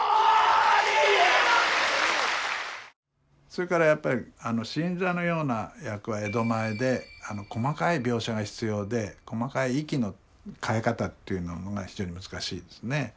それからやっぱり「新三」のような役は江戸前で細かい描写が必要で細かい息の変え方というのが非常に難しいですね。